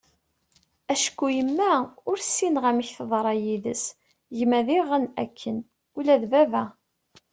acku yemma ur ssineγ amek teḍṛa yid-s, gma diγen akken, ula d baba